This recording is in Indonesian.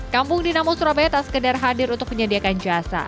kampung dinamo surabaya tak sekedar hadir untuk menyediakan jasa